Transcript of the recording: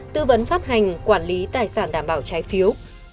tư vấn phát hành quản lý tài sản đảm bảo trái phiếu